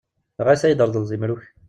Ɣas ad yi-d-tṛeḍleḍ imru-k?